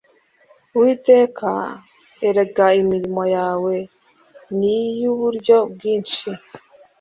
Uwiteka erega imirimo yawe ni iyuburyo bwinshi